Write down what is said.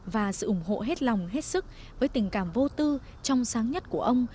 và sự ủng hộ hết lòng hết sức với tình cảm vô tư trong sáng nhất của ông